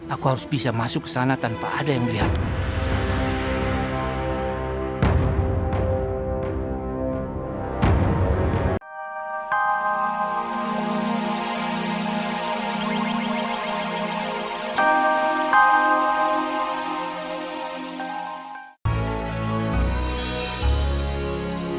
aku harus bisa masuk ke sana tanpa ada yang melihatku